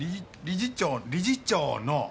理事長理事長の。